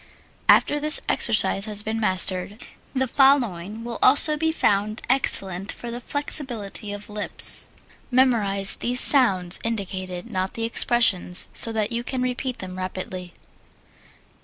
After this exercise has been mastered, the following will also be found excellent for flexibility of lips: Memorize these sounds indicated (not the expressions) so that you can repeat them rapidly.